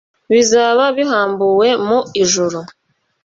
bizaba bihambuwe mu ijuru."